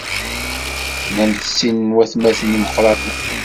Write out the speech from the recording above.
Tlamt sin n waytmaten imeqranen.